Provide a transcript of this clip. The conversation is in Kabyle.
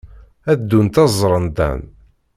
Ad ddunt ad ẓrent Dan.